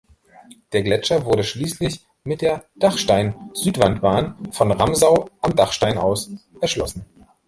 Der Gletscher wurde schließlich mit der Dachstein-Südwandbahn von Ramsau am Dachstein aus erschlossen.